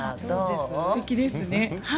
すてきですね。